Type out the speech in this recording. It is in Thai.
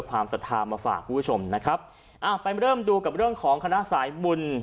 ความศรัทธามาฝากคุณผู้ชมนะครับอ่าไปเริ่มดูกับเรื่องของคณะสายบุญ